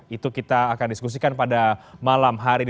itu kita akan diskusikan pada malam hari ini